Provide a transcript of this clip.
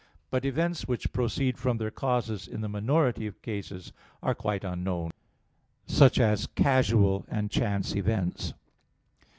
But events which proceed from their causes in the minority of cases are quite unknown; such as casual and chance events.